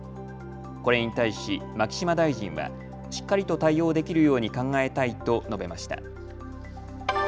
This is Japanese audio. これに対し牧島大臣はしっかりと対応できるように考えたいと述べました。